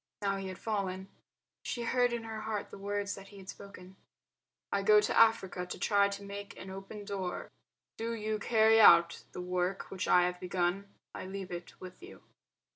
Now he had fallen. She heard in her heart the words that he had spoken: "I go to Africa to try to make an open door....; do you carry out the work which I have begun. I LEAVE IT WITH YOU."